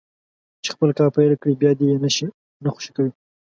چې خپل کار پيل کړي بيا دې يې نه خوشي کوي.